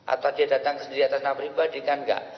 atau dia datang sendiri atas nama pribadi kan enggak